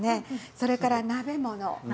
それから鍋物。